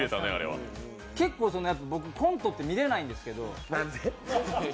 結構、僕、コントって見れないんですけど。